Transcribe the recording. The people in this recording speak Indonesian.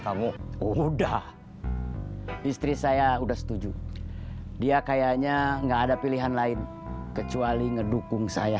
kamu udah istri saya udah setuju dia kayaknya nggak ada pilihan lain kecuali ngedukung saya